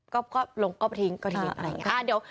ก็ลงก็ไปทิ้งก็ทิ้งอะไรอย่างนี้